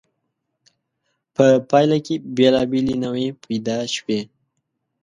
په پایله کې بېلابېلې نوعې پیدا شوې.